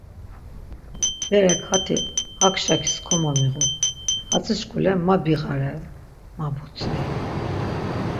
Berek hati hak şakis komomiğu, hatzişkule ma biğare' ma butzvi.